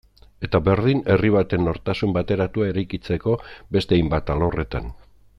Eta berdin herri baten nortasun bateratua eraikitzeko beste hainbat alorretan.